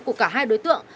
của cả hai đối tượng